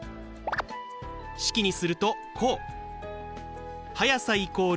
式にするとこう。